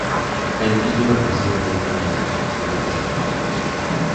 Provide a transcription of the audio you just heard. El título procede de una de las reacciones de los personajes.